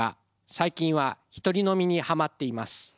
最近は一人飲みにハマっています。